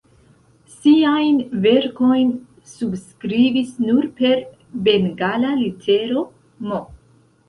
Siajn verkojn subskribis nur per bengala litero "M".